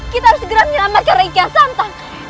kita harus segera menyelamatkan rekya santang